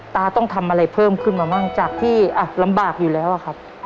ตาต้องทำอะไรเพิ่มขึ้นมาบ้างจากที่ลำบากอยู่แล้วอะครับ